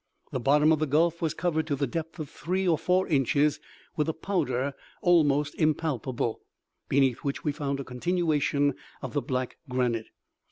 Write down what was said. The bottom of the gulf was covered to the depth of three or four inches with a powder almost impalpable, beneath which we found a continuation of the black granite.